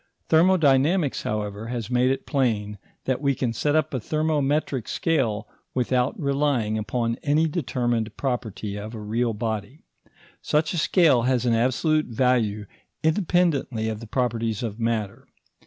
Thermodynamics, however, has made it plain that we can set up a thermometric scale without relying upon any determined property of a real body. Such a scale has an absolute value independently of the properties of matter.